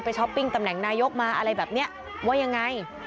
ช้อปปิ้งตำแหน่งนายกมาอะไรแบบนี้ว่ายังไง